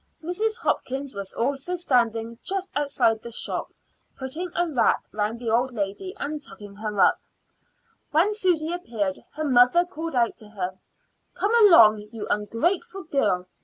Mrs. Hopkins was also standing just outside the shop, putting a wrap round the old lady and tucking her up. When Susy appeared her mother called out to her: "Come along, you ungrateful girl.